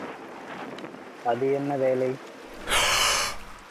அது என்ன வேலை?